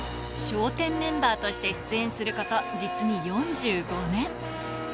笑点メンバーとして出演すること、実に４５年。